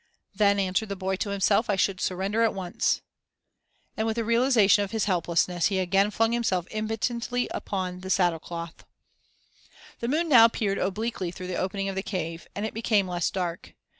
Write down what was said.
"Then," answered the boy to himself, "I should surrender at once." And with a realization of his helplessness he again flung himself impotently upon the saddle cloth. The moon now peered obliquely through the opening of the cave and it became less dark.